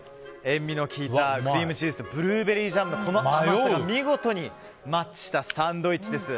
塩みの利いたクリームチーズとブルーベリージャムの甘さが見事にマッチしたサンドイッチです。